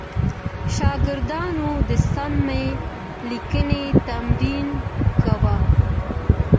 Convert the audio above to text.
شاګردانو د سمې لیکنې تمرین کاوه.